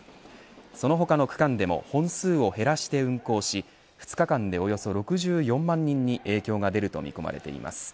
その他の区間でも本数を減らして運行し２日間でおよそ６４万人に影響が出ると見込まれています。